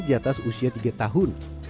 di atas usia tiga tahun